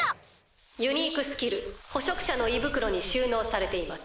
「ユニークスキル捕食者の胃袋に収納されています」。